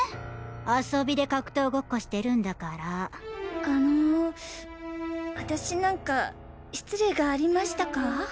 遊びで格闘ごっこしてるんだからあの私なんか失礼がありましたか？